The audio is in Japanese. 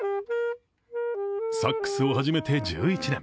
サックスを始めて１１年。